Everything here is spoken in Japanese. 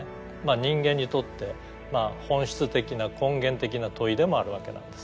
人間にとって本質的な根源的な問いでもあるわけなんです。